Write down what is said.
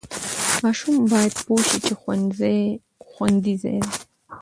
ماشوم باید پوه شي چې ښوونځي خوندي ځای دی.